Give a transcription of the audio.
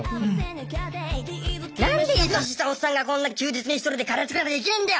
何でいい年したおっさんがこんな休日に１人でカレー作らなきゃいけねえんだよ！